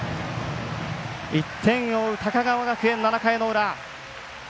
１点を追う高川学園、７回の裏。